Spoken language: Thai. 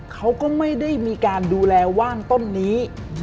เขาก็ไม่ได้มีการดูแลว่างต้นนี้